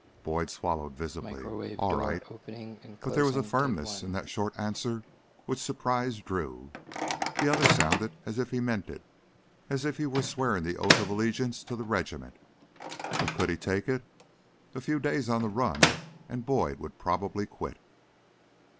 Boyd swallowed visibly. "All right." But there was a firmness in that short answer which surprised Drew. The other sounded as if he meant it, as if he were swearing the oath of allegiance to the regiment. But could he take it? A few days on the run, and Boyd would probably quit.